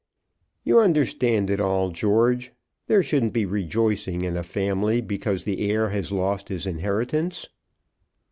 "You understand it all, George. There shouldn't be rejoicing in a family because the heir has lost his inheritance."